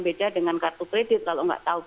beda dengan kartu kredit kalau nggak tahu